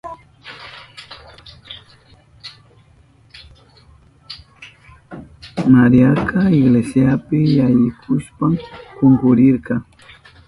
Mariaka iglesiapi yaykushpan kunkurirka.